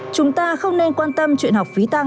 chúng ta không nên quan tâm chuyện học phí tăng